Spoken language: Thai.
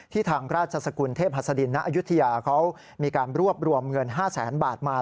ทางราชสกุลเทพหัสดินณอายุทยาเขามีการรวบรวมเงิน๕แสนบาทมา